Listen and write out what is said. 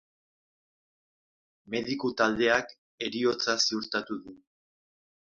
Mediku-taldeak heriotza ziurtatu du.